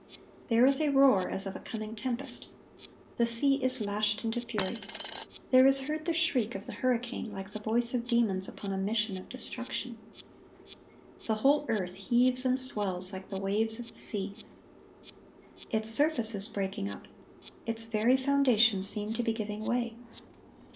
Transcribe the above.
There is a roar as of a coming tempest. The sea is lashed into fury. There is heard the shriek of the hurricane, like the voice of demons upon a mission of destruction. The whole earth heaves and swells like the waves of the sea. Its surface is breaking up. Its very foundations seem to be giving way.